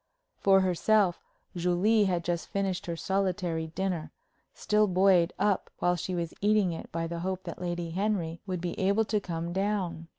For herself, Julie had just finished her solitary dinner, still buoyed up while she was eating it by the hope that Lady Henry would be able to come down.